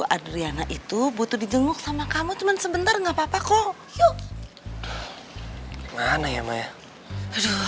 adriana itu butuh di jenguk sama kamu cuman sebentar nggak papa kok yuk mana ya maya aduh